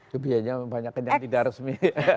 kebiayaannya banyak yang tidak resmi